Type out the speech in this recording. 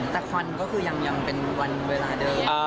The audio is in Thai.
แต่ควันก็คือยังเป็นวันเวลาเดิม